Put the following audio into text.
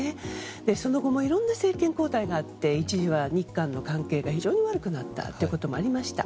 その後もいろいろな政権交代があって一時、日韓の関係が非常に悪くなったこともありました。